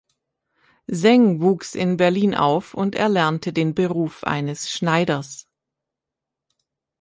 Seng wuchs in Berlin auf und erlernte den Beruf eines Schneiders.